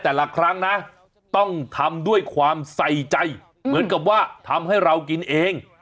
แต่ละครั้งนะต้องทำด้วยความใส่ใจเหมือนกับว่าทำให้เรากินเอง